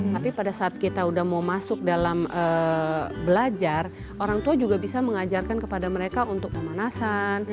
tapi pada saat kita udah mau masuk dalam belajar orang tua juga bisa mengajarkan kepada mereka untuk pemanasan